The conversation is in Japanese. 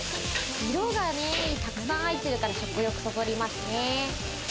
色がたくさん入ってるから食欲そそりますね。